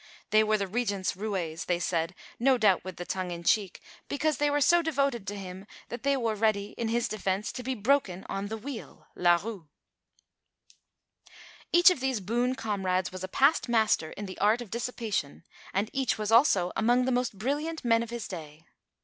They were the Regent's roués, they said, no doubt with the tongue in the cheek, because they were so devoted to him that they were ready, in his defence, to be broken on the wheel (la roue)! Each of these boon comrades was a past master in the arts of dissipation, and each was also among the most brilliant men of his day.